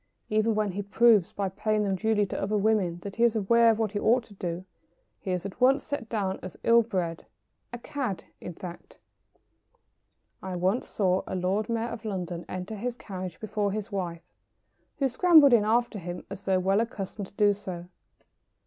Even when he proves by paying them duly to other women that he is aware of what he ought to do, he is at once set down as ill bred a "cad," in fact. [Sidenote: A case in point.] I once saw a Lord Mayor of London enter his carriage before his wife, who scrambled in after him as though well accustomed to do so.